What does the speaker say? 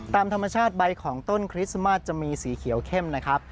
ตามธรรมชาติใบของต้นคริสต์มาสจะมีสีเขียวเข้มนะครับ